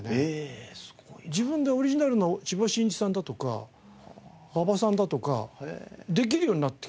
自分でオリジナルの千葉真一さんだとか馬場さんだとかできるようになってきて。